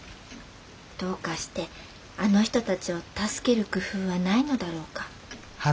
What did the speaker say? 『どうかしてあの人たちを助ける工夫はないのだろうか』」。